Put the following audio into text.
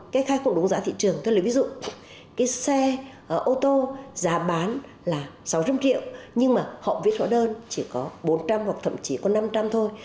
cây khai không đúng giá thị trường tức là ví dụ cái xe ô tô giá bán là sáu trăm linh triệu nhưng mà họ viết hóa đơn chỉ có bốn trăm linh hoặc thậm chí có năm trăm linh thôi